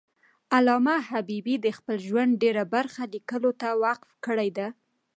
علامه حبیبي د خپل ژوند ډېره برخه لیکلو ته وقف کړی ده.